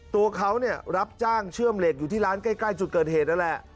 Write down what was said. ตัวเขารับจ้างเชื่อมเหล็กอยู่ที่ร้านใกล้จุดเกิดเหตุนั่นแหละ